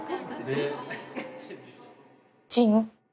ジン？